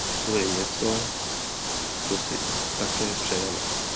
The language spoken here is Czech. To je něco, co si také přejeme.